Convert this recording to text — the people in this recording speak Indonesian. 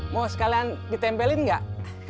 mau sekalian ditempelin nggak